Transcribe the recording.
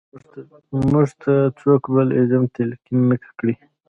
موږ ته څوک بل ایزم تلقین نه کړي.